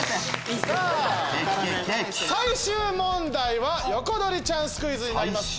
最終問題は横取りチャンスクイズになります。